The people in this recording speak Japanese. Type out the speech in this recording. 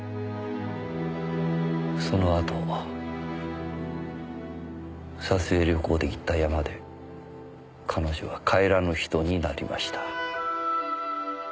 そのあと撮影旅行で行った山で彼女は帰らぬ人になりました。